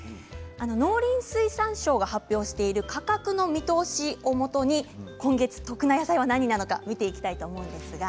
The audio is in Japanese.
農林水産省が発表している価格の見通しをもとに今月、お得な野菜は何なのか見ていきたいと思います。